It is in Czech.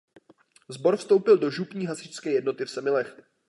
Sbor vstoupil do Župní hasičské jednoty v Semilech.